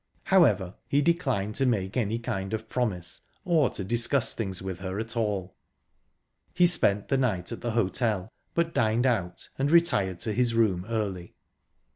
However, he declined to make any kind of promise, or to discuss things with her at all...He spent the night at the hotel, but dined out, and retired to his room early.